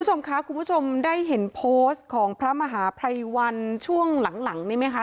คุณผู้ชมคะคุณผู้ชมได้เห็นโพสต์ของพระมหาภัยวันช่วงหลังนี่ไหมคะ